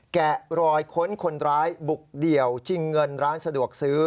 แกะรอยค้นคนร้ายบุกเดี่ยวชิงเงินร้านสะดวกซื้อ